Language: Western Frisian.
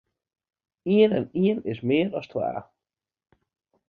Ien en ien is mear as twa.